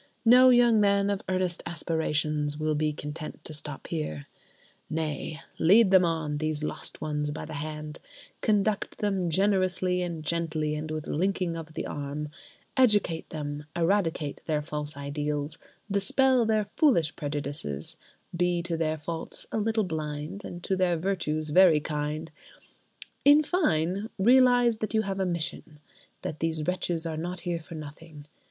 No young man of earnest aspirations will be content to stop there. Nay: lead them on, these lost ones, by the hand; conduct them "generously and gently, and with linking of the arm"; educate them, eradicate their false ideals, dispel their foolish prejudices; be to their faults a little blind and to their virtues very kind: in fine, realise that you have a mission—that these wretches are not here for nothing.